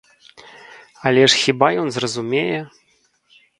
Але ж хіба ён зразумее?